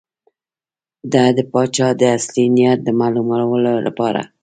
ده د پاچا د اصلي نیت د معلومولو لپاره.